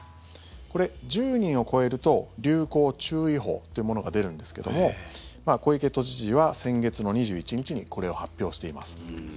これ、１０人を超えると流行注意報というものが出るんですけども小池都知事は先月の２１日にこれを発表しています。